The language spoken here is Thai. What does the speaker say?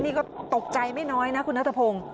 นี่ก็ตกใจไม่น้อยนะคุณนัทพงศ์